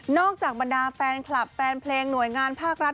จากบรรดาแฟนคลับแฟนเพลงหน่วยงานภาครัฐ